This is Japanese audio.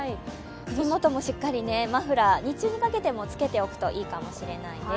首元もしっかりと、マフラー日中にかけても着けていくといいかもしれませんね。